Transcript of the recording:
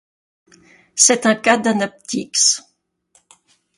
C'est un cas d'anaptyxe.